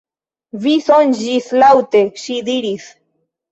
Vi sonĝis laŭte, ŝi diris.